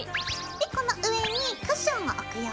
でこの上にクッションを置くよ。